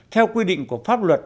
theo quy định của pháp luật